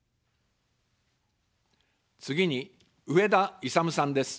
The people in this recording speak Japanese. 次に、上田いさむさんです。